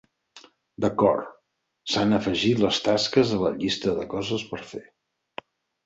D'acord, s'han afegit les tasques a la llista de coses per fer.